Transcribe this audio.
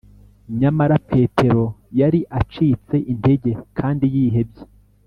nyamara petero yari acitse intege kandi yihebye